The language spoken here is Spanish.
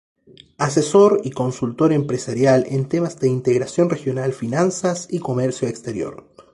Asesor y Consultor Empresarial en temas de Integración Regional, Finanzas y Comercio Exterior.